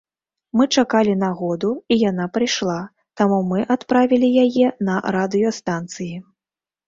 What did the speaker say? Мы чакалі нагоду, і яна прыйшла, таму мы адправілі яе на радыёстанцыі.